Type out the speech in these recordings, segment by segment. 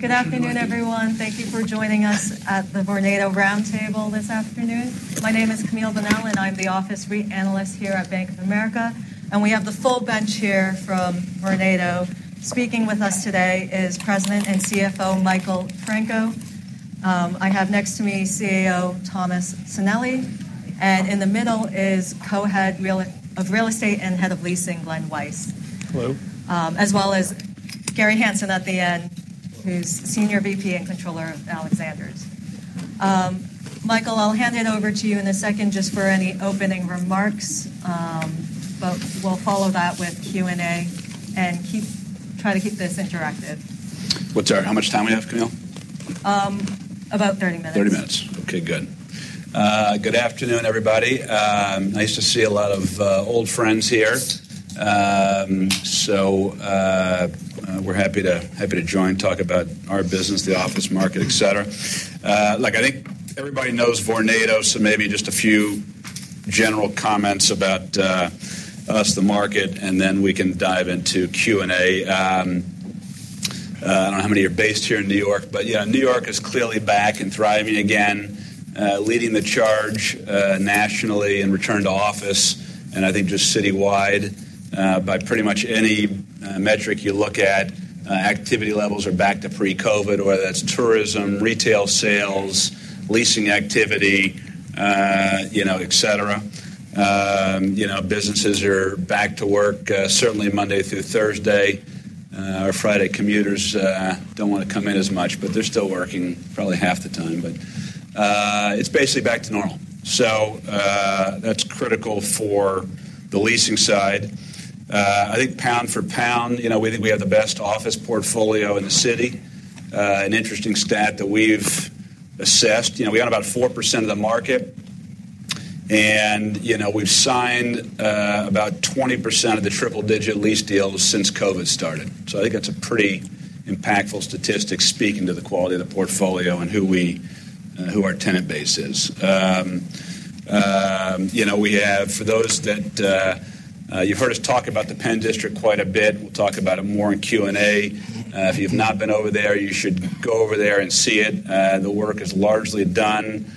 Good afternoon, everyone. Thank you for joining us at the Vornado Roundtable this afternoon. My name is Camille Bonnel, and I'm the office REIT analyst here at Bank of America, and we have the full bench here from Vornado. Speaking with us today is President and CFO, Michael Franco. I have next to me CEO Thomas Sanelli, and in the middle is co-head of real estate and head of leasing, Glen Weiss. Hello. As well as Gary Hanson at the end, who's Senior VP and Controller of Alexander's. Michael, I'll hand it over to you in a second just for any opening remarks, but we'll follow that with Q&A, and try to keep this interactive. How much time we have, Camille? About 30 minutes. 30 minutes. Okay, good. Good afternoon, everybody. Nice to see a lot of old friends here. So, we're happy to join, talk about our business, the office market, et cetera. Look, I think everybody knows Vornado, so maybe just a few general comments about us, the market, and then we can dive into Q&A. I don't know how many are based here in New York, but yeah, New York is clearly back and thriving again, leading the charge nationally in return to office, and I think just citywide, by pretty much any metric you look at, activity levels are back to pre-COVID, whether that's tourism, retail sales, leasing activity, you know, et cetera. You know, businesses are back to work, certainly Monday through Thursday. Our Friday commuters don't wanna come in as much, but they're still working probably half the time, but it's basically back to normal. So, that's critical for the leasing side. I think pound-for-pound, you know, we think we have the best office portfolio in the city. An interesting stat that we've assessed, you know, we own about 4% of the market, and, you know, we've signed about 20% of the triple-digit lease deals since COVID started. So I think that's a pretty impactful statistic speaking to the quality of the portfolio and who we, who our tenant base is. You know, we have for those that you've heard us talk about the Penn District quite a bit. We'll talk about it more in Q&A. If you've not been over there, you should go over there and see it. The work is largely done.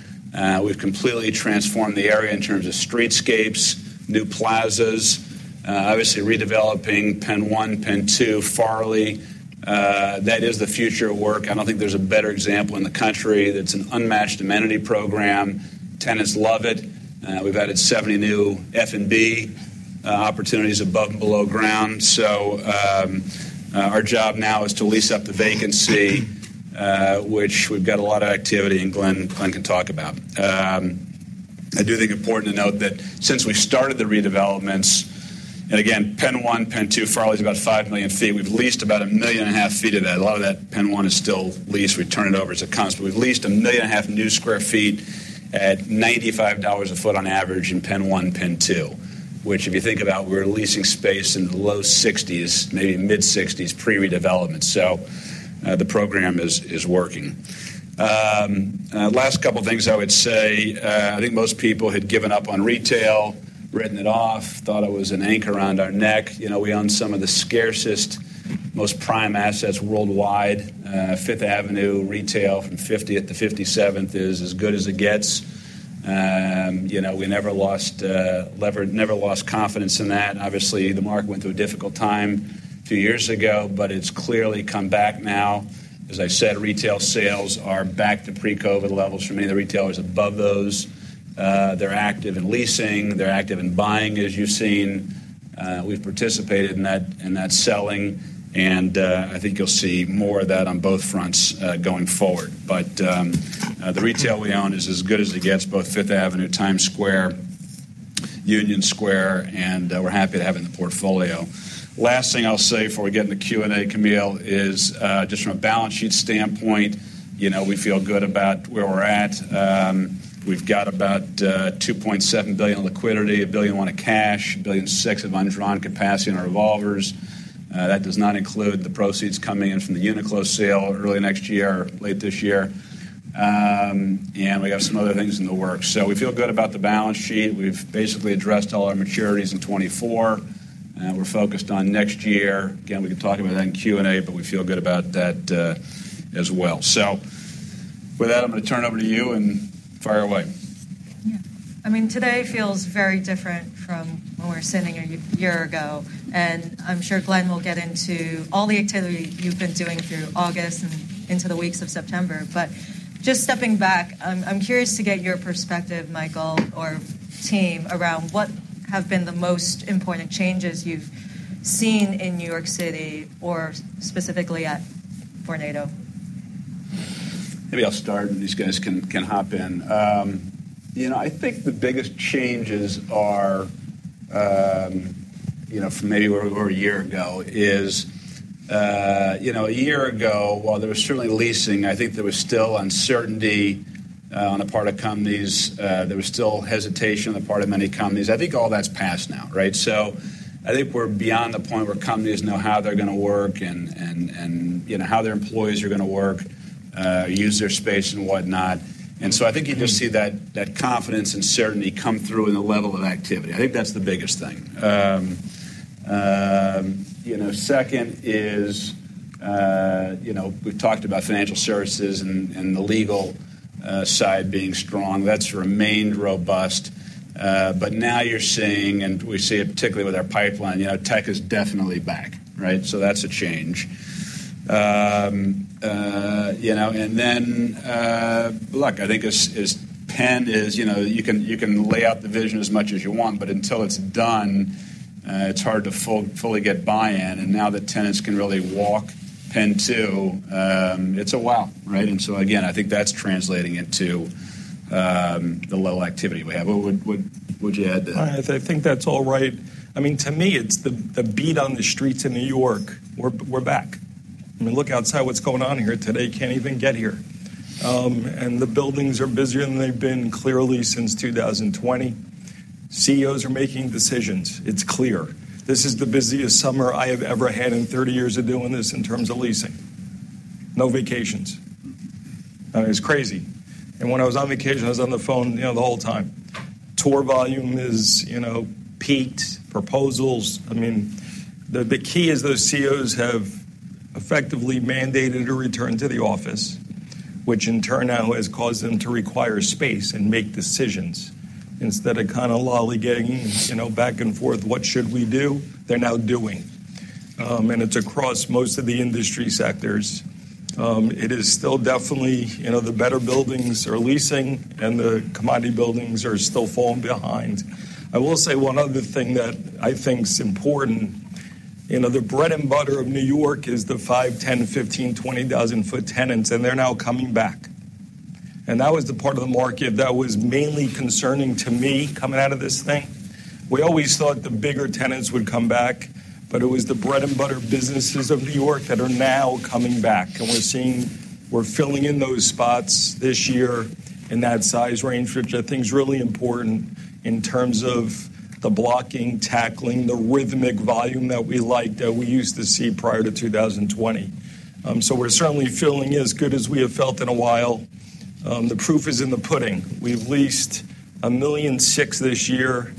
We've completely transformed the area in terms of streetscapes, new plazas, obviously redeveloping PENN 1, PENN 2, Farley. That is the future of work. I don't think there's a better example in the country. That's an unmatched amenity program. Tenants love it. We've added seventy new F&B opportunities above and below ground, so our job now is to lease up the vacancy, which we've got a lot of activity, and Glen can talk about. I do think important to note that since we started the redevelopments, and again, PENN 1, PENN 2, Farley's about five million feet, we've leased about 1.5 million feet of that. A lot of that PENN 1 is still leased. We turn it over as it comes, but we've leased 1.5 million sq ft at $95 a sq ft on average in PENN 1 and PENN 2, which, if you think about, we were leasing space in the low 60s, maybe mid-60s, pre-redevelopment. The program is working. Last couple of things I would say, I think most people had given up on retail, written it off, thought it was an anchor around our neck. You know, we own some of the scarcest, most prime assets worldwide. Fifth Avenue retail from 50th to 57th is as good as it gets. You know, we never lost confidence in that. Obviously, the market went through a difficult time a few years ago, but it's clearly come back now. As I said, retail sales are back to pre-COVID levels. For many of the retailers above those, they're active in leasing, they're active in buying, as you've seen. We've participated in that, in that selling, and I think you'll see more of that on both fronts, going forward. But the retail we own is as good as it gets, both Fifth Avenue, Times Square, Union Square, and we're happy to have it in the portfolio. Last thing I'll say before we get in the Q&A, Camille, is just from a balance sheet standpoint, you know, we feel good about where we're at. We've got about $2.7 billion in liquidity, $1.1 billion in cash, $1.6 billion of undrawn capacity in our revolvers. That does not include the proceeds coming in from the Uniqlo sale early next year or late this year, and we got some other things in the works, so we feel good about the balance sheet. We've basically addressed all our maturities in 2024, and we're focused on next year. Again, we can talk about that in Q&A, but we feel good about that, as well, so with that, I'm gonna turn it over to you and fire away. Yeah. I mean, today feels very different from when we were sitting a year ago, and I'm sure Glen will get into all the activity you've been doing through August and into the weeks of September. But just stepping back, I'm curious to get your perspective, Michael or team, around what have been the most important changes you've seen in New York City or specifically at Vornado? Maybe I'll start, and these guys can hop in. You know, I think the biggest changes are, you know, from maybe where we were a year ago, is. You know, a year ago, while there was certainly leasing, I think there was still uncertainty on the part of companies. There was still hesitation on the part of many companies. I think all that's passed now, right? So I think we're beyond the point where companies know how they're gonna work and, you know, how their employees are gonna work... use their space and whatnot. And so I think you just see that confidence and certainty come through in the level of activity. I think that's the biggest thing. You know, second is, you know, we've talked about financial services and the legal side being strong. That's remained robust. But now you're seeing, and we see it particularly with our pipeline, you know, tech is definitely back, right? So that's a change. You know, and then, look, I think as Penn is. You know, you can, you can lay out the vision as much as you want, but until it's done, it's hard to fully get buy-in. And now that tenants can really walk PENN 2, it's a wow, right? And so again, I think that's translating into the low activity we have. What would you add to that? I think that's all right. I mean, to me, it's the beat on the streets in New York. We're back. I mean, look outside what's going on here today. Can't even get here, and the buildings are busier than they've been clearly since 2020. CEOs are making decisions. It's clear. This is the busiest summer I have ever had in thirty years of doing this in terms of leasing. No vacations, and it's crazy, and when I was on vacation, I was on the phone, you know, the whole time. Tour volume is, you know, peaked. Proposals. I mean, the key is those CEOs have effectively mandated a return to the office, which in turn now has caused them to require space and make decisions. Instead of kind of lollygagging, you know, back and forth, "What should we do?" They're now doing. And it's across most of the industry sectors. It is still definitely, you know, the better buildings are leasing and the commodity buildings are still falling behind. I will say one other thing that I think is important. You know, the bread and butter of New York is the five, 10, 15, 20 thousand foot tenants, and they're now coming back. And that was the part of the market that was mainly concerning to me coming out of this thing. We always thought the bigger tenants would come back, but it was the bread and butter businesses of New York that are now coming back, and we're seeing, we're filling in those spots this year in that size range, which I think is really important in terms of the blocking, tackling, the rhythmic volume that we liked, that we used to see prior to 2020. So we're certainly feeling as good as we have felt in a while. The proof is in the pudding. We've leased 1.6 million sq ft this year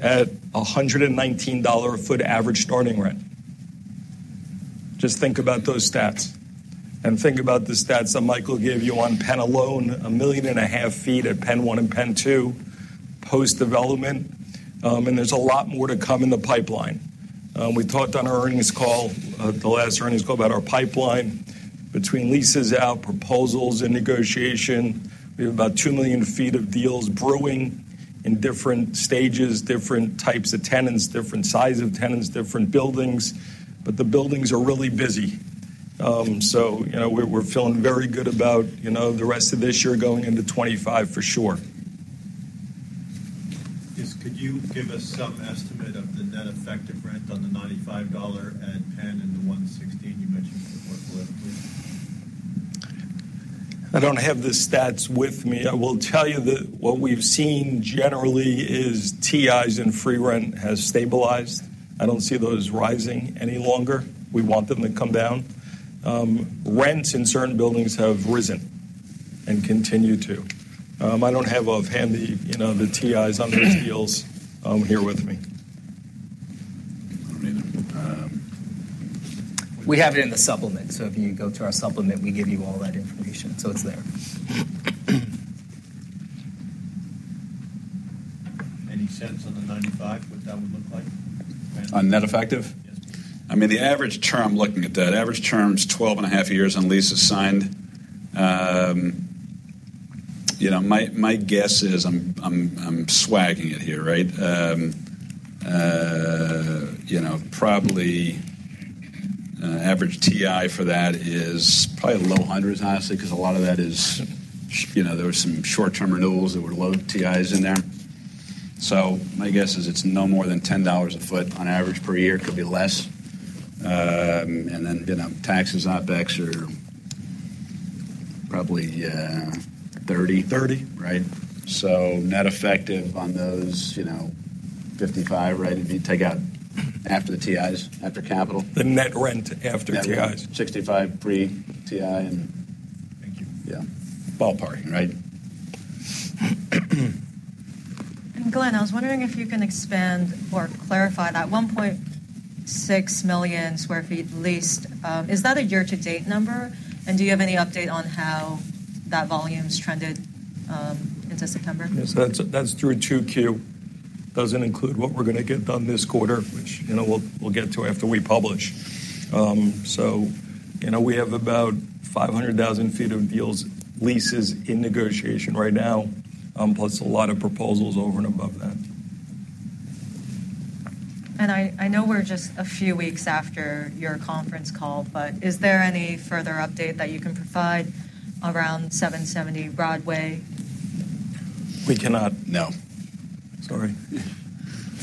at $119/sq ft average starting rent. Just think about those stats, and think about the stats that Michael gave you on Penn alone, 1.5 million sq ft at PENN 1 and PENN 2, post-development, and there's a lot more to come in the pipeline. We talked on our earnings call, the last earnings call, about our pipeline. Between leases out, proposals, and negotiation, we have about two million sq ft of deals brewing in different stages, different types of tenants, different size of tenants, different buildings, but the buildings are really busy. So you know, we're feeling very good about, you know, the rest of this year going into 2025, for sure. Yes, could you give us some estimate of the net effective rent on the $95 at Penn and the $116 you mentioned before, please? I don't have the stats with me. I will tell you that what we've seen generally is TIs and free rent has stabilized. I don't see those rising any longer. We want them to come down. Rents in certain buildings have risen and continue to. I don't have offhand the, you know, the TIs on those deals, here with me. Um... We have it in the supplement, so if you go to our supplement, we give you all that information. So it's there. Any sense on the ninety-five, what that would look like? On net effective? Yes. I mean, the average term, looking at that, average term is twelve and a half years on leases signed. You know, my guess is I'm swagging it here, right? You know, probably average TI for that is probably low hundreds, honestly, because a lot of that is, you know, there were some short-term renewals that were low TIs in there, so my guess is it's no more than $10 a foot on average per year. It could be less, and then, you know, taxes, OpEx are probably $30. Thirty. Right. So net effective on those, you know, $55, right? If you take out after the TIs, after capital. The net rent after TIs. Sixty-five pre-TI and- Thank you. Yeah. Ballpark, right? Glen, I was wondering if you can expand or clarify that 1.6 million sq ft leased. Is that a year-to-date number? And do you have any update on how that volume's trended into September? Yes, that's, that's through 2Q. Doesn't include what we're going to get done this quarter, which, you know, we'll get to after we publish. So, you know, we have about 500,000 sq ft of deals, leases in negotiation right now, plus a lot of proposals over and above that. I know we're just a few weeks after your conference call, but is there any further update that you can provide around 770 Broadway? We cannot. No. Sorry.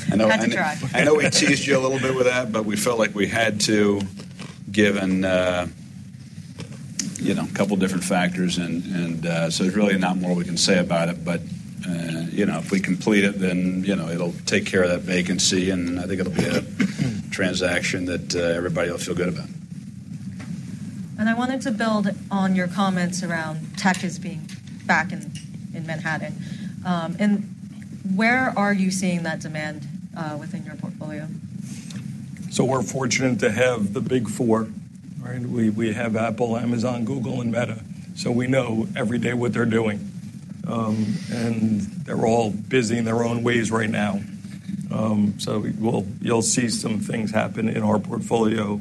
Had to try. I know we teased you a little bit with that, but we felt like we had to, given, you know, a couple different factors. And, so there's really not more we can say about it, but, you know, if we complete it, then, you know, it'll take care of that vacancy, and I think it'll be a transaction that, everybody will feel good about. ... And I wanted to build on your comments around tech as being back in Manhattan. And where are you seeing that demand within your portfolio? So we're fortunate to have the Big Four, right? We have Apple, Amazon, Google, and Meta, so we know every day what they're doing. They're all busy in their own ways right now. You'll see some things happen in our portfolio.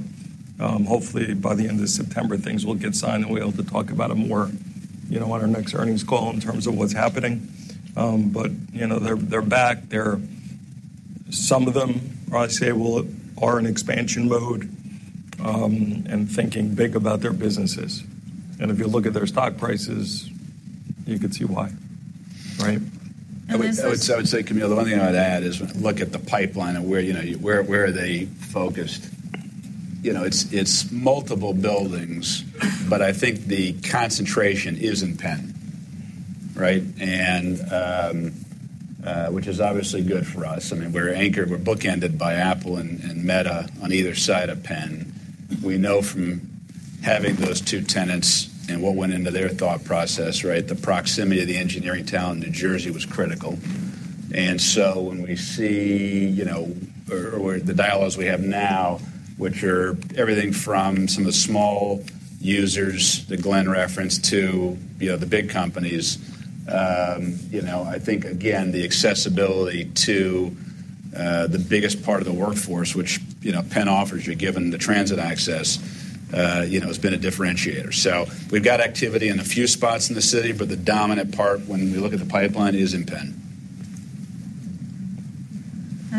Hopefully, by the end of September, things will get signed, and we'll be able to talk about them more, you know, on our next earnings call in terms of what's happening. But, you know, they're back. Some of them, I'd say, well, are in expansion mode and thinking big about their businesses. And if you look at their stock prices, you can see why, right? And this- I would say, Camille, the only thing I'd add is look at the pipeline and where, you know, where are they focused? You know, it's multiple buildings, but I think the concentration is in Penn, right? And which is obviously good for us. I mean, we're anchored, we're bookended by Apple and Meta on either side of Penn. We know from having those two tenants and what went into their thought process, right, the proximity of the engineering talent in New Jersey was critical. And so when we see, you know, the dialogues we have now, which are everything from some of the small users that Glen referenced to, you know, the big companies, you know, I think, again, the accessibility to, the biggest part of the workforce, which, you know, Penn offers you, given the transit access, you know, has been a differentiator. So we've got activity in a few spots in the city, but the dominant part, when we look at the pipeline, is in Penn.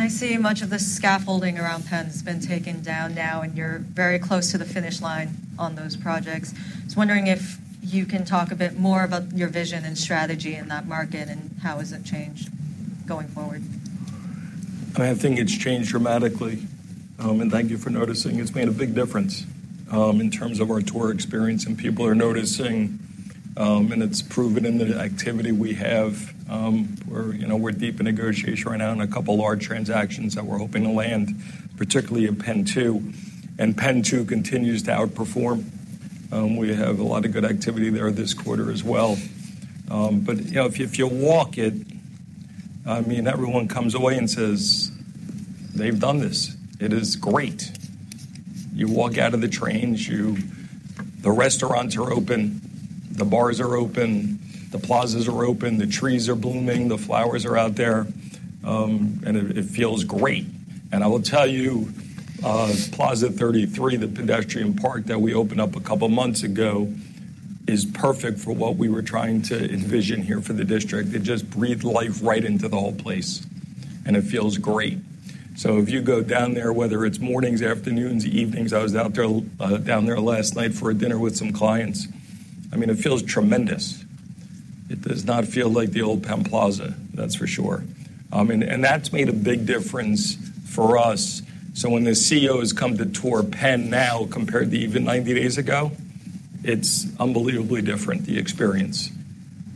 I see much of the scaffolding around Penn's been taken down now, and you're very close to the finish line on those projects. I was wondering if you can talk a bit more about your vision and strategy in that market, and how has it changed going forward? I think it's changed dramatically, and thank you for noticing. It's made a big difference in terms of our tour experience, and people are noticing, and it's proven in the activity we have. You know, we're deep in negotiation right now in a couple of large transactions that we're hoping to land, particularly in PENN 2, and PENN 2 continues to outperform. We have a lot of good activity there this quarter as well, but, you know, if you walk it, I mean, everyone comes away and says, "They've done this. It is great." You walk out of the trains, you... The restaurants are open, the bars are open, the plazas are open, the trees are blooming, the flowers are out there, and it feels great. I will tell you, Plaza 33, the pedestrian park that we opened up a couple of months ago, is perfect for what we were trying to envision here for the district. It just breathed life right into the whole place, and it feels great. If you go down there, whether it's mornings, afternoons, evenings, I was out there down there last night for a dinner with some clients. I mean, it feels tremendous. It does not feel like the old Penn Plaza, that's for sure. That's made a big difference for us. When the CEOs come to tour Penn now, compared to even 90 days ago, it's unbelievably different, the experience.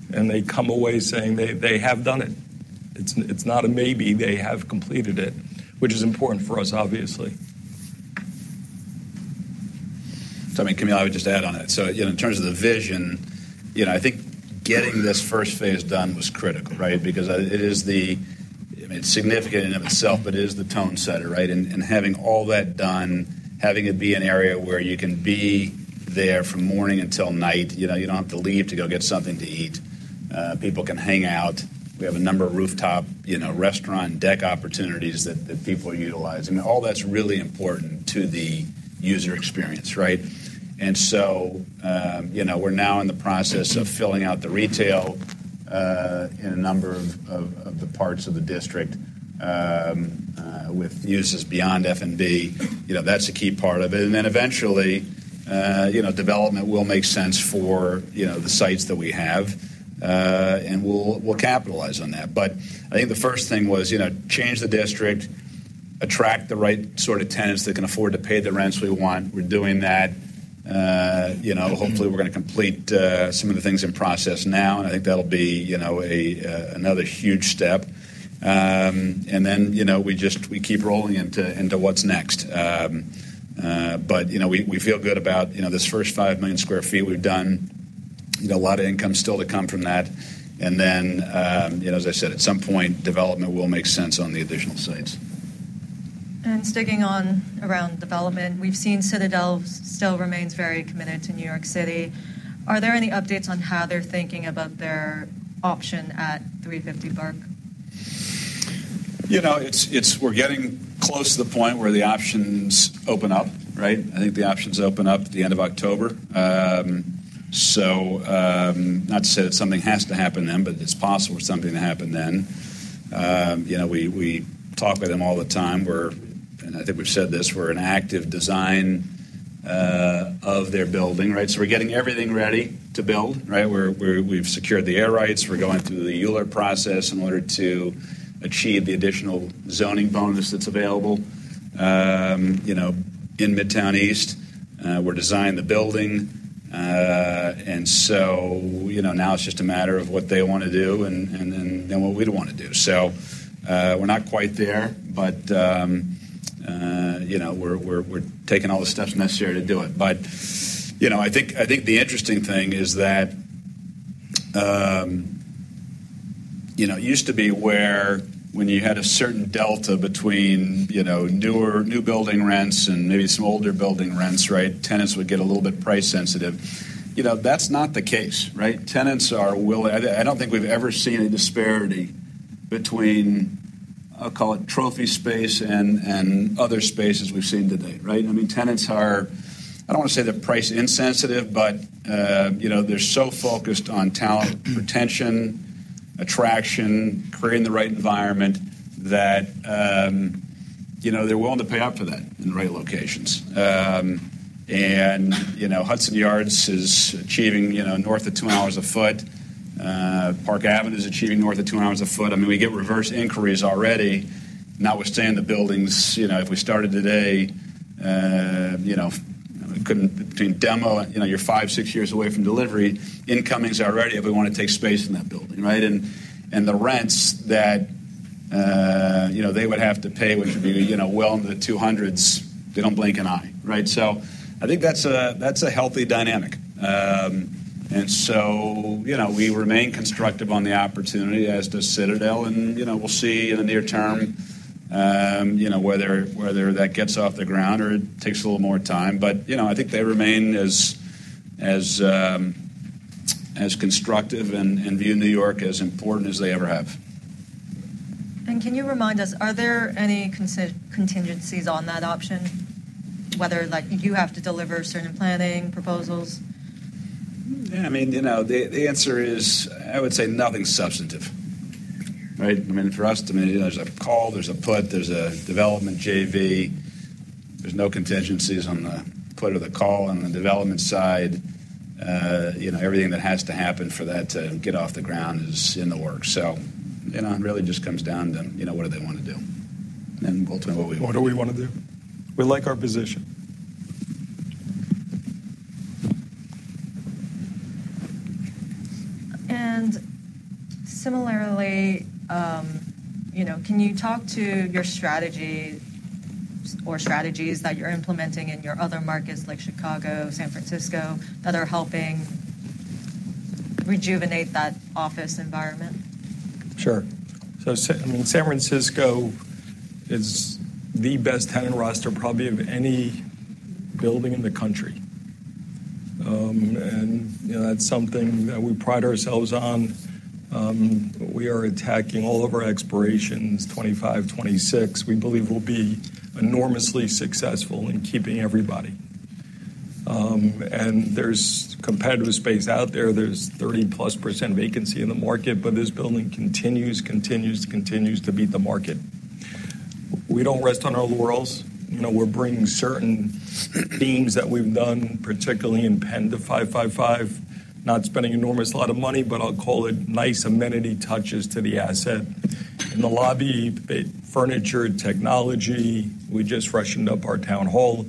They come away saying they have done it. It's not a maybe. They have completed it, which is important for us, obviously. So, I mean, Camille, I would just add on it. So, you know, in terms of the vision, you know, I think getting this first phase done was critical, right? Because it's significant in itself, but it is the tone-setter, right? And having all that done, having it be an area where you can be there from morning until night, you know, you don't have to leave to go get something to eat. People can hang out. We have a number of rooftop, you know, restaurant and deck opportunities that people utilize, and all that's really important to the user experience, right? And so, you know, we're now in the process of filling out the retail in a number of the parts of the district with uses beyond F&B. You know, that's a key part of it. And then eventually, you know, development will make sense for, you know, the sites that we have, and we'll capitalize on that. But I think the first thing was, you know, change the district, attract the right sort of tenants that can afford to pay the rents we want. We're doing that. You know, hopefully, we're going to complete some of the things in process now, and I think that'll be, you know, a another huge step. And then, you know, we just, we keep rolling into what's next. But, you know, we feel good about, you know, this first 5 million sq ft we've done. You know, a lot of income still to come from that. And then, you know, as I said, at some point, development will make sense on the additional sites. And sticking on around development, we've seen Citadel still remains very committed to New York City. Are there any updates on how they're thinking about their option at 350 Park Avenue? You know, it's. We're getting close to the point where the options open up, right? I think the options open up at the end of October. So, not to say that something has to happen then, but it's possible for something to happen then. You know, we talk with them all the time. And I think we've said this, we're in active design of their building, right? So we're getting everything ready to build, right? We've secured the air rights. We're going through the ULURP process in order to achieve the additional zoning bonus that's available. You know, in Midtown East, we're designing the building. And so, you know, now it's just a matter of what they want to do and then what we'd want to do. We're not quite there, but, you know, we're taking all the steps necessary to do it. But, you know, I think the interesting thing is that, you know, it used to be where when you had a certain delta between, you know, newer, new building rents and maybe some older building rents, right? Tenants would get a little bit price sensitive. You know, that's not the case, right? Tenants are-- I don't think we've ever seen a disparity between, call it trophy space and other spaces we've seen today, right? I mean, tenants are-- I don't want to say they're price insensitive, but, you know, they're so focused on talent, retention, attraction, creating the right environment, that, you know, they're willing to pay up for that in the right locations. And, you know, Hudson Yards is achieving, you know, north of $200 a sq ft. Park Avenue is achieving north of $200 a sq ft. I mean, we get reverse inquiries already, notwithstanding the buildings, you know, if we started today, you know, couldn't do demo, you know, you're 5-6 years away from delivery. Inquiries are already, if we want to take space in that building, right? And the rents that, you know, they would have to pay, which would be, you know, well into the $200s, they don't blink an eye, right? So I think that's a healthy dynamic. And so, you know, we remain constructive on the opportunity, as does Citadel, and, you know, we'll see in the near term, you know, whether that gets off the ground or it takes a little more time. But, you know, I think they remain as constructive and view New York as important as they ever have. Can you remind us, are there any contingencies on that option, whether, like, you have to deliver certain planning proposals? Yeah, I mean, you know, the answer is, I would say nothing substantive, right? I mean, for us, to me, there's a call, there's a put, there's a development JV. There's no contingencies on the put or the call on the development side. You know, everything that has to happen for that to get off the ground is in the works. So, you know, it really just comes down to, you know, what do they want to do? And ultimately, what- What do we want to do? We like our position. And similarly, you know, can you talk to your strategy or strategies that you're implementing in your other markets like Chicago, San Francisco, that are helping rejuvenate that office environment? Sure. So, I mean, San Francisco is the best tenant roster, probably of any building in the country. And, you know, that's something that we pride ourselves on. We are attacking all of our expirations, 2025, 2026. We believe we'll be enormously successful in keeping everybody. And there's competitive space out there. There's 30+% vacancy in the market, but this building continues to beat the market. We don't rest on our laurels. You know, we're bringing certain themes that we've done, particularly in Penn, the 555, not spending an enormous lot of money, but I'll call it nice amenity touches to the asset. In the lobby, the furniture, technology, we just freshened up our town hall.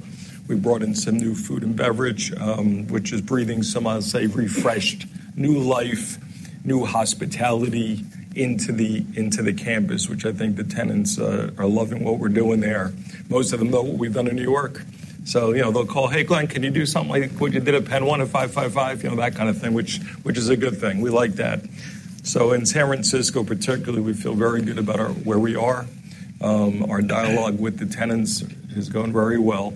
We brought in some new food and beverage, which is breathing some, I'll say, refreshed new life, new hospitality into the campus, which I think the tenants are loving what we're doing there. Most of them know what we've done in New York. So, you know, they'll call: "Hey, Glen, can you do something like what you did at PENN 1 or five hundred and fifty-five?" You know, that kind of thing, which is a good thing. We like that. So in San Francisco, particularly, we feel very good about our where we are. Our dialogue with the tenants is going very well.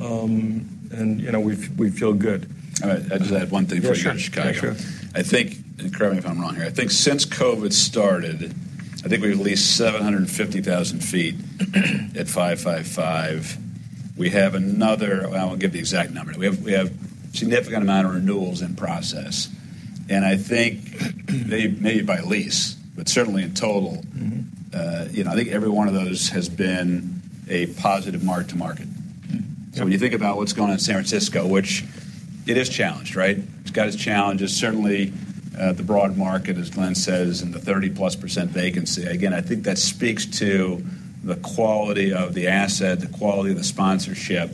And, you know, we feel good. All right. I just have one thing for you, Chicago. Yeah, sure. I think, and correct me if I'm wrong here, I think since COVID started, I think we've leased 750,000 sq ft at 555 California Street. We have another... Well, I won't give the exact number. We have a significant amount of renewals in process, and I think maybe by lease, but certainly in total- Mm-hmm. You know, I think every one of those has been a positive mark to market. Mm-hmm. So when you think about what's going on in San Francisco, which it is challenged, right? It's got its challenges, certainly, the broad market, as Glen says, and the 30+% vacancy. Again, I think that speaks to the quality of the asset, the quality of the sponsorship.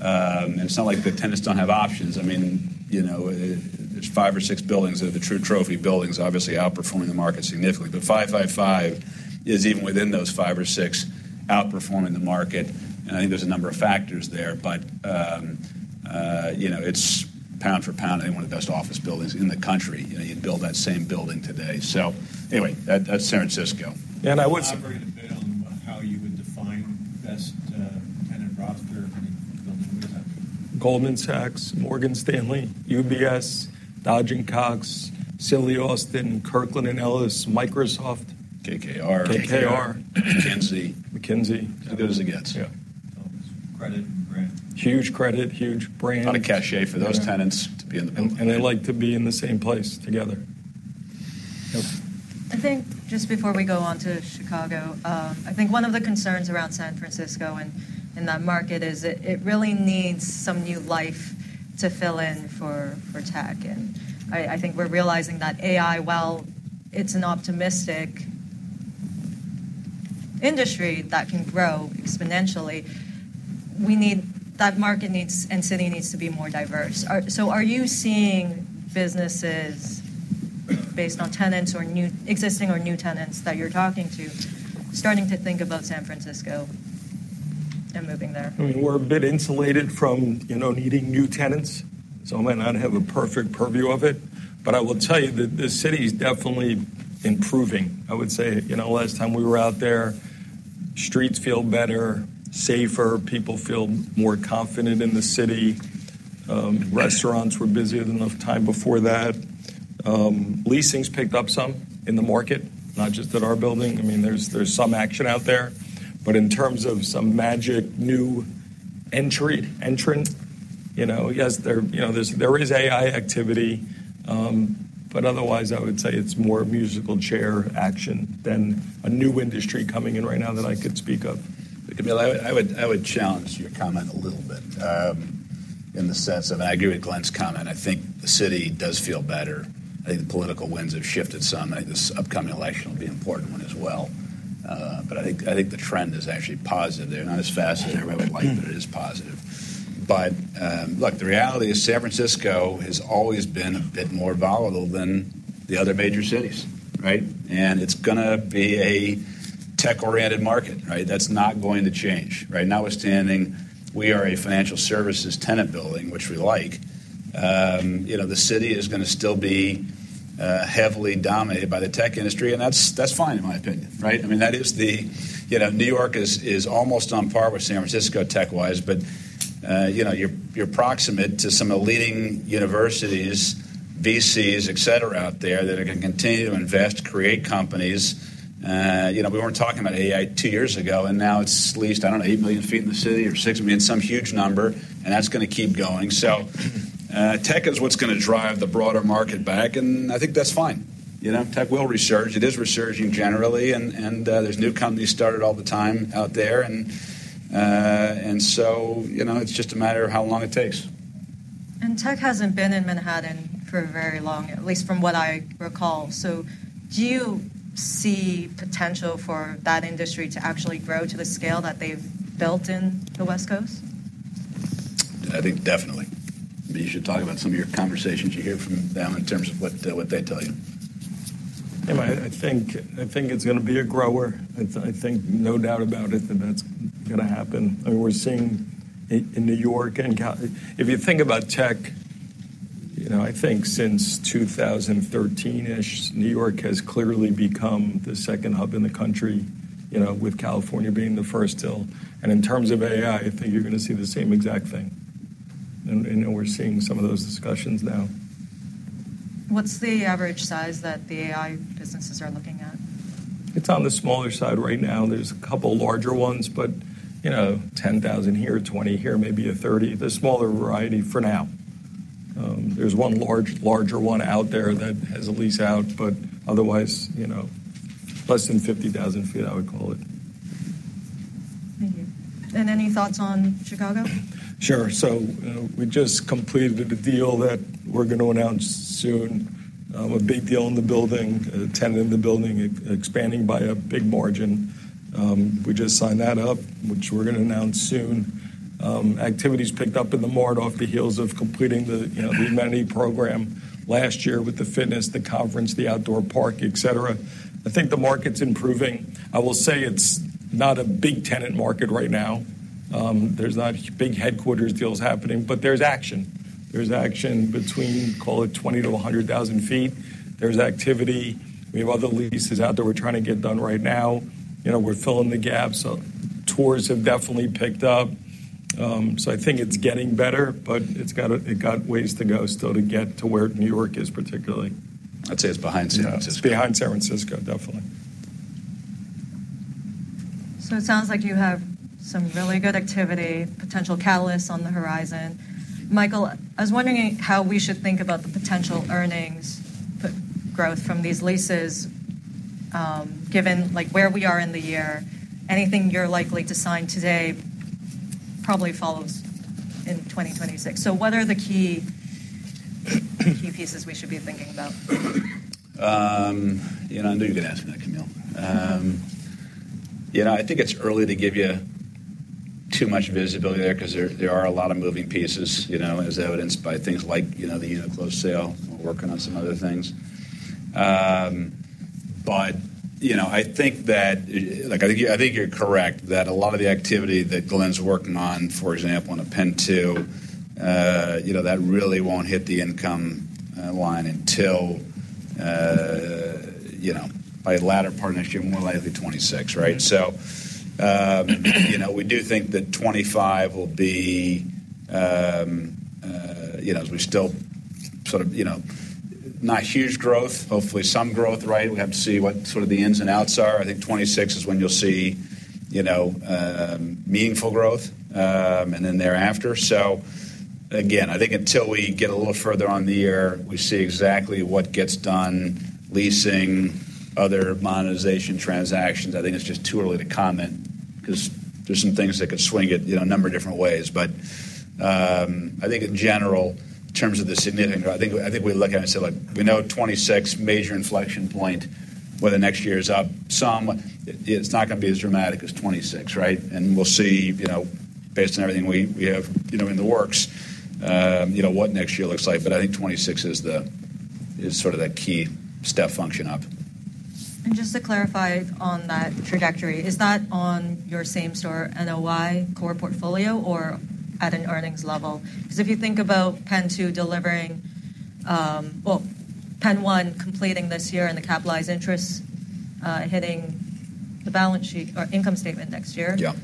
And it's not like the tenants don't have options. I mean, you know, there's five or six buildings that are the true trophy buildings, obviously outperforming the market significantly, but 555 is even within those five or six, outperforming the market. And I think there's a number of factors there, but, you know, it's pound-for-pound, and one of the best office buildings in the country. You know, you'd build that same building today. So anyway, that, that's San Francisco. I would say- Elaborate a bit on how you would define best tenant roster in the building you have? Goldman Sachs, Morgan Stanley, UBS, Dodge & Cox, Cooley, Kirkland & Ellis, Microsoft. KKR KKR McKinsey. McKinsey. As good as it gets. Yeah. Credit and brand. Huge credit, huge brand. lot of cachet for those tenants to be in the building. They like to be in the same place together. Yep. I think just before we go on to Chicago, I think one of the concerns around San Francisco and that market is it really needs some new life to fill in for tech. And I think we're realizing that AI, well, it's an optimistic industry that can grow exponentially, we need that market needs, and city needs to be more diverse. So are you seeing businesses based on tenants or new, existing or new tenants that you're talking to, starting to think about San Francisco and moving there? We're a bit insulated from, you know, needing new tenants, so I might not have a perfect purview of it. But I will tell you that the city is definitely improving. I would say, you know, last time we were out there, streets feel better, safer, people feel more confident in the city. Restaurants were busier than the time before that. Leasing's picked up some in the market, not just at our building. I mean, there's some action out there, but in terms of some magic new entry, entrant, you know, yes, there, you know, there is AI activity, but otherwise, I would say it's more musical chair action than a new industry coming in right now that I could speak of. Camille, I would challenge your comment a little bit, in the sense of I agree with Glen's comment. I think the city does feel better. I think the political winds have shifted some. I think this upcoming election will be important one as well. But I think the trend is actually positive there. Not as fast as everybody would like, but it is positive. But look, the reality is San Francisco has always been a bit more volatile than the other major cities, right? And it's gonna be a tech-oriented market, right? That's not going to change, right? Notwithstanding, we are a financial services tenant building, which we like. You know, the city is gonna still be heavily dominated by the tech industry, and that's fine, in my opinion, right? I mean, that is the... You know, New York is almost on par with San Francisco, tech-wise, but, you know, you're proximate to some of the leading universities, VCs, et cetera, out there that are gonna continue to invest, create companies. You know, we weren't talking about AI two years ago, and now it's leased, I don't know, 8 million sq ft in the city or 6 million sq ft, some huge number, and that's gonna keep going. So, tech is what's gonna drive the broader market back, and I think that's fine. You know, tech will resurge. It is resurging generally, and there's new companies started all the time out there. And so, you know, it's just a matter of how long it takes. Tech hasn't been in Manhattan for very long, at least from what I recall. Do you see potential for that industry to actually grow to the scale that they've built in the West Coast? I think definitely. But you should talk about some of your conversations you hear from them in terms of what, what they tell you. I think it's gonna be a grower. I think no doubt about it, that's gonna happen, and we're seeing it in New York and California. If you think about tech, you know, I think since 2013-ish, New York has clearly become the second hub in the country, you know, with California being the first still, and you know, we're seeing some of those discussions now. What's the average size that the AI businesses are looking at? It's on the smaller side right now. There's a couple larger ones, but, you know, ten thousand here, twenty here, maybe a thirty. The smaller variety for now. There's one large, larger one out there that has a lease out, but otherwise, you know, less than fifty thousand feet, I would call it. Thank you. And any thoughts on Chicago? Sure. So, you know, we just completed a deal that we're gonna announce soon, a big deal in the building, a tenant in the building expanding by a big margin. We just signed that up, which we're gonna announce soon. Activity's picked up in the market off the heels of completing the, you know, the amenity program last year with the fitness, the conference, the outdoor park, et cetera. I think the market's improving. I will say it's not a big tenant market right now. There's not big headquarters deals happening, but there's action. There's action between, call it twenty to a hundred thousand feet. There's activity. We have other leases out there we're trying to get done right now. You know, we're filling the gaps. So tours have definitely picked up. So I think it's getting better, but it's got a ways to go still to get to where New York is particularly. I'd say it's behind San Francisco. Behind San Francisco, definitely. So it sounds like you have some really good activity, potential catalysts on the horizon. Michael, I was wondering how we should think about the potential earnings, the growth from these leases, given, like, where we are in the year. Anything you're likely to sign today probably follows in twenty twenty-six. So what are the key, key pieces we should be thinking about? You know, I knew you were gonna ask me that, Camille. You know, I think it's early to give you too much visibility there 'cause there are a lot of moving pieces, you know, as evidenced by things like, you know, the Uniqlo sale. We're working on some other things. But, you know, I think that. Like, I think you're correct, that a lot of the activity that Glen's working on, for example, on PENN 2, you know, that really won't hit the income line until, you know, by the latter part of next year, more likely 2026, right? So, you know, we do think that 2025 will be, you know, we still sort of, you know, not huge growth. Hopefully, some growth, right? We have to see what sort of the ins and outs are. I think 2026 is when you'll see, you know, meaningful growth, and then thereafter. So again, I think until we get a little further on the year, we see exactly what gets done, leasing, other monetization transactions, I think it's just too early to comment, 'cause there's some things that could swing it, you know, a number of different ways. But, I think in general, in terms of the significant, I think, I think we look at it and say, look, we know 2026 major inflection point, whether next year is up some, it's not going to be as dramatic as 2026, right? And we'll see, you know, based on everything we, we have, you know, in the works, you know, what next year looks like. But I think 2026 is the, is sort of that key step function up. And just to clarify on that trajectory, is that on your same store NOI core portfolio or at an earnings level? Because if you think about Penn two delivering, Penn one completing this year and the capitalized interest, hitting the balance sheet or income statement next year- Yeah.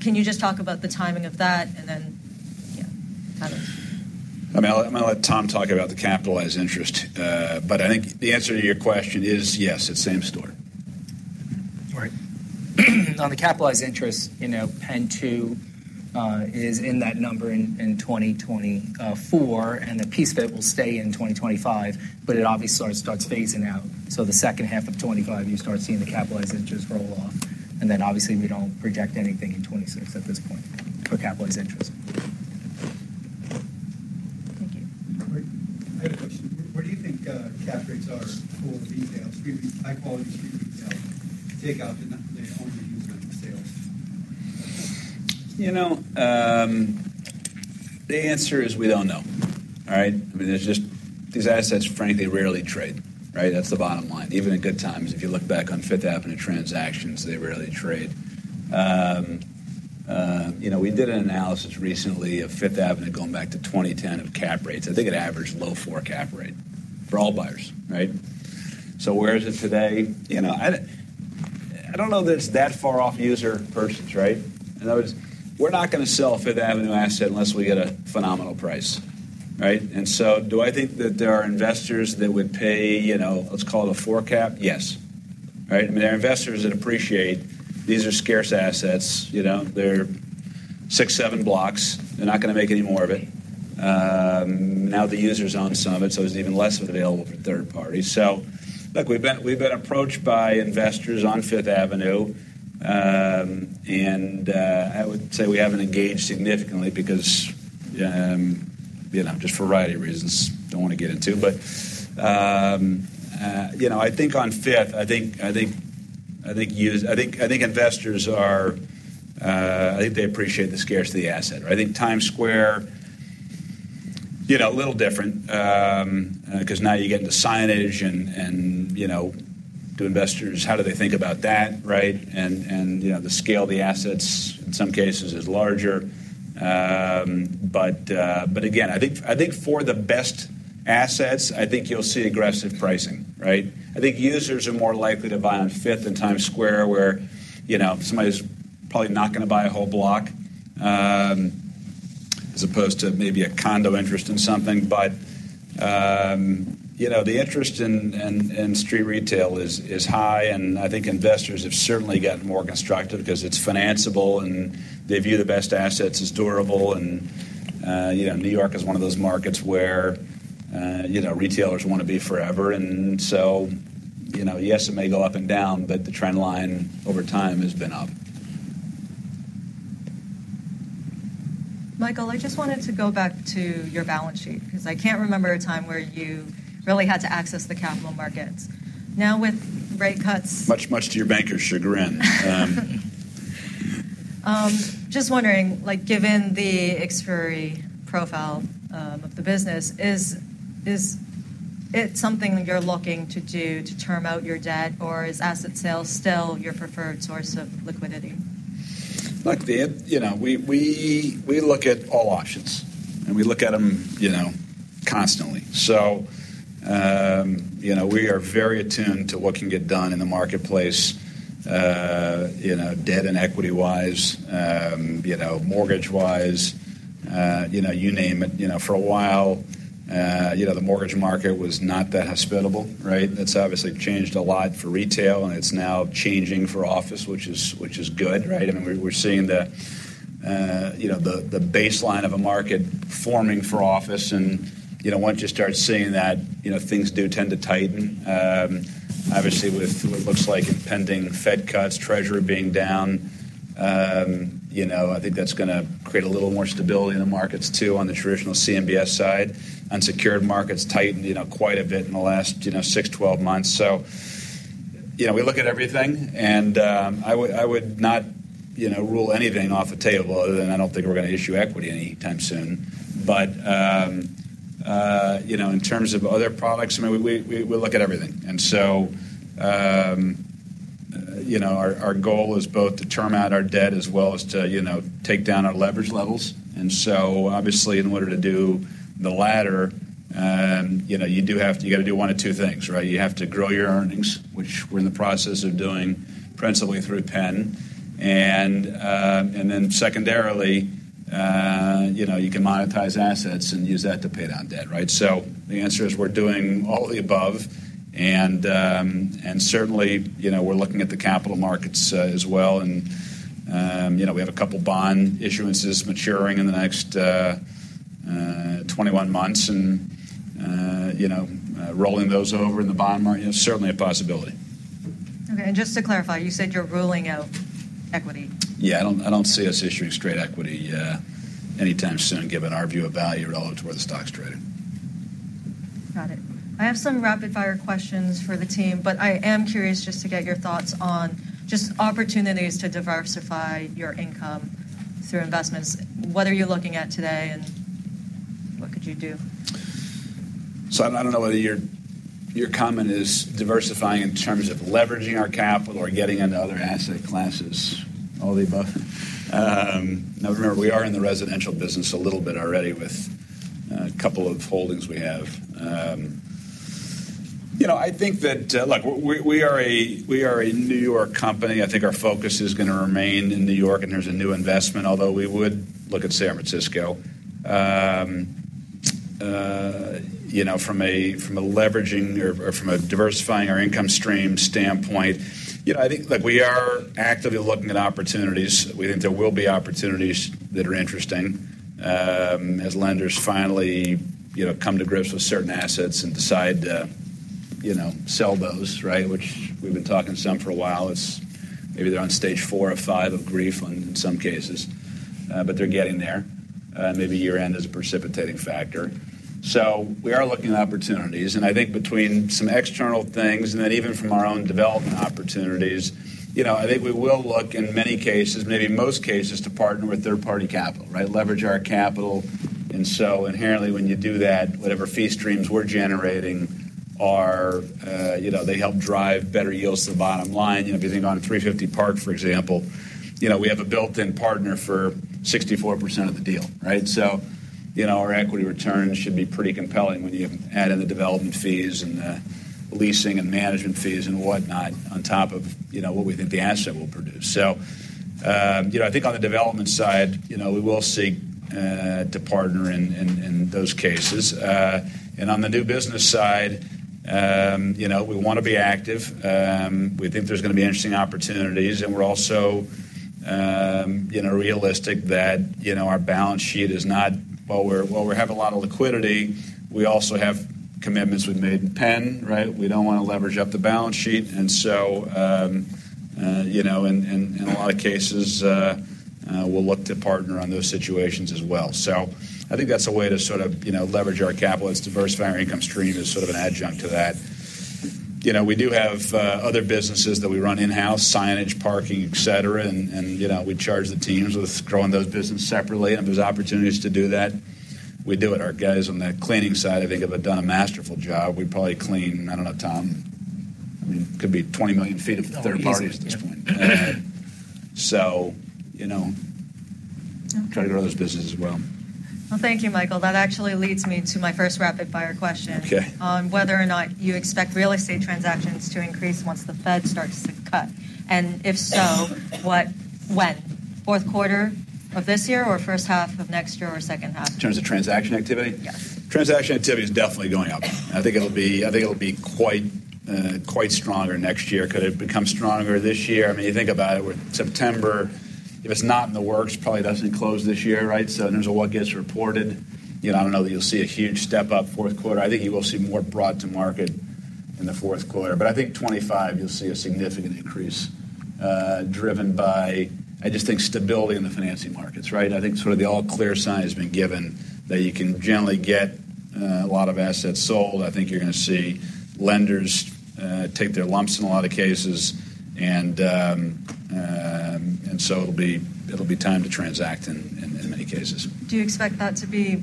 Can you just talk about the timing of that? And then, yeah, kind of. I mean, I'm going to let Tom talk about the capitalized interest, but I think the answer to your question is yes, it's same store. Right. On the capitalized interest, you know, PENN 2 is in that number in 2024, and the piece of it will stay in 2025, but it obviously starts phasing out. So the second half of 2025, you start seeing the capitalized interest roll off, and then obviously we don't project anything in 2026 at this point for capitalized interest. Thank you. I have a question. What do you think, cap rates are for retail, street high-quality street retail? Take out the owner sales. You know, the answer is we don't know. All right? I mean, there's just these assets, frankly, rarely trade, right? That's the bottom line. Even in good times, if you look back on Fifth Avenue transactions, they rarely trade. You know, we did an analysis recently of Fifth Avenue going back to 2010 of cap rates. I think an average low four cap rate for all buyers, right? So where is it today? You know, I don't know that it's that far off our purchase, right? In other words, we're not going to sell a Fifth Avenue asset unless we get a phenomenal price, right? And so do I think that there are investors that would pay, you know, let's call it a four cap? Yes. Right? I mean, there are investors that appreciate these are scarce assets. You know, they're six, seven blocks. They're not going to make any more of it. Now, the users are on some of it, so there's even less of it available for third party. So look, we've been approached by investors on Fifth Avenue, and I would say we haven't engaged significantly because, you know, just for a variety of reasons I don't want to get into. But you know, I think on Fifth, I think investors appreciate the scarcity asset. I think Times Square, you know, a little different, because now you get into signage and you know, to investors, how do they think about that, right? And you know, the scale of the assets in some cases is larger. But again, I think for the best assets, you'll see aggressive pricing, right? I think users are more likely to buy on Fifth and Times Square, where, you know, somebody's probably not going to buy a whole block, as opposed to maybe a condo interest in something. But, you know, the interest in street retail is high, and I think investors have certainly gotten more constructive because it's financiable, and they view the best assets as durable. And, you know, New York is one of those markets where, you know, retailers want to be forever. And so, you know, yes, it may go up and down, but the trend line over time has been up. Michael, I just wanted to go back to your balance sheet, because I can't remember a time where you really had to access the capital markets. Now, with rate cuts- Much, much to your bankers' chagrin. Just wondering, like, given the expiry profile of the business, is it something you're looking to do to term out your debt, or is asset sales still your preferred source of liquidity? Look, the end-- you know, we look at all options, and we look at them, you know, constantly. So, you know, we are very attuned to what can get done in the marketplace, you know, debt and equity-wise, you know, mortgage-wise, you know, you name it. You know, for a while, you know, the mortgage market was not that hospitable, right? That's obviously changed a lot for retail, and it's now changing for office, which is good, right? I mean, we're seeing the baseline of a market forming for office. And, you know, once you start seeing that, you know, things do tend to tighten. Obviously, with what looks like impending Fed cuts, treasury being down, you know, I think that's gonna create a little more stability in the markets, too, on the traditional CMBS side. Unsecured markets tightened, you know, quite a bit in the last, you know, six, 12 months. So, you know, we look at everything, and I would not, you know, rule anything off the table, other than I don't think we're going to issue equity anytime soon. But you know, in terms of other products, I mean, we look at everything. And so you know, our goal is both to term out our debt as well as to, you know, take down our leverage levels. And so obviously, in order to do the latter, you know, you do have to—you got to do one of two things, right? You have to grow your earnings, which we're in the process of doing, principally through Penn. And then secondarily, you know, you can monetize assets and use that to pay down debt, right? So the answer is, we're doing all of the above, and certainly, you know, we're looking at the capital markets, as well. And you know, we have a couple bond issuances maturing in the next 21 months, and you know, rolling those over in the bond market is certainly a possibility. Okay, and just to clarify, you said you're ruling out equity? Yeah, I don't see us issuing straight equity anytime soon, given our view of value relative to where the stock's trading. Got it. I have some rapid-fire questions for the team, but I am curious just to get your thoughts on just opportunities to diversify your income through investments. What are you looking at today, and what could you do? So I don't know whether your comment is diversifying in terms of leveraging our capital or getting into other asset classes or both. Now, remember, we are in the residential business a little bit already with a couple of holdings we have. You know, I think that, look, we are a New York company. I think our focus is gonna remain in New York, and there's a new investment, although we would look at San Francisco. You know, from a leveraging or from a diversifying our income stream standpoint, you know, I think, like, we are actively looking at opportunities. We think there will be opportunities that are interesting, as lenders finally, you know, come to grips with certain assets and decide to, you know, sell those, right? Which we've been talking to some for a while. It's maybe they're on stage four or five of grief in, in some cases, but they're getting there, and maybe year-end is a precipitating factor. So we are looking at opportunities, and I think between some external things and then even from our own development opportunities, you know, I think we will look, in many cases, maybe most cases, to partner with third-party capital, right? Leverage our capital. And so inherently, when you do that, whatever fee streams we're generating are, you know, they help drive better yields to the bottom line. You know, if you think on 350 Park Avenue, for example, you know, we have a built-in partner for 64% of the deal, right? So, you know, our equity returns should be pretty compelling when you add in the development fees and the leasing and management fees and whatnot on top of, you know, what we think the asset will produce. So, you know, I think on the development side, you know, we will seek to partner in those cases. And on the new business side, you know, we want to be active. We think there's gonna be interesting opportunities, and we're also, you know, realistic that, you know, our balance sheet is not... While we have a lot of liquidity, we also have commitments we've made in Penn, right? We don't want to leverage up the balance sheet, and so, you know, in a lot of cases, we'll look to partner on those situations as well. So I think that's a way to sort of, you know, leverage our capital as diversifying our income stream is sort of an adjunct to that. You know, we do have other businesses that we run in-house: signage, parking, et cetera, and, and, you know, we charge the teams with growing those businesses separately. And if there's opportunities to do that, we do it. Our guys on the cleaning side, I think, have done a masterful job. We probably clean, I don't know, Tom, I mean, could be 20 million feet of third party at this point. So, you know, try to grow those businesses as well. Thank you, Michael. That actually leads me to my first rapid-fire question- Okay. on whether or not you expect real estate transactions to increase once the Fed starts to cut, and if so, when? Fourth quarter of this year, or first half of next year, or second half? In terms of transaction activity? Yes. Transaction activity is definitely going up. I think it'll be quite stronger next year. Could it become stronger this year? I mean, you think about it, with September, if it's not in the works, probably doesn't close this year, right? So in terms of what gets reported, you know, I don't know that you'll see a huge step up fourth quarter. I think you will see more brought to market in the fourth quarter. But I think 2025, you'll see a significant increase, driven by, I just think, stability in the financing markets, right? I think sort of the all clear sign has been given that you can generally get a lot of assets sold. I think you're gonna see lenders take their lumps in a lot of cases, and so it'll be, it'll be time to transact in many cases. Do you expect that to be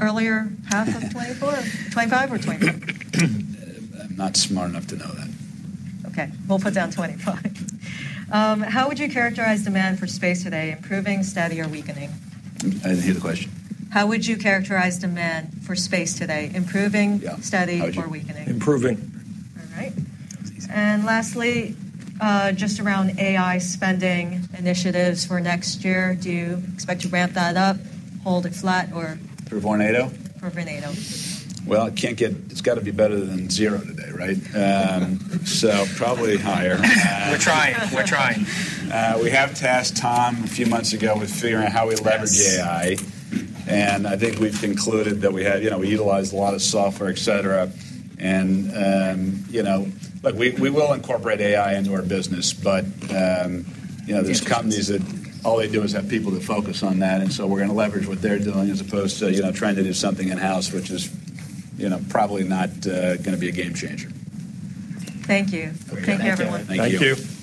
earlier half of 2024, 2025 or 2026? I'm not smart enough to know that. Okay, we'll put down 25. How would you characterize demand for space today: improving, steady, or weakening? I didn't hear the question. How would you characterize demand for space today: improving- Yeah. Steady, or weakening? Improving. All right. That was easy. And lastly, just around AI spending initiatives for next year, do you expect to ramp that up, hold it flat, or- For Vornado? For Vornado. It's got to be better than zero today, right? So probably higher. We're trying. We're trying. We have tasked Tom a few months ago with figuring out how we leverage AI. Yes. And I think we've concluded that we have, you know, we utilize a lot of software, et cetera, and, you know. But we will incorporate AI into our business, but, you know, there's companies that all they do is have people to focus on that, and so we're gonna leverage what they're doing as opposed to, you know, trying to do something in-house, which is, you know, probably not gonna be a game changer. Thank you. Thank you, everyone. Thank you. Thank you.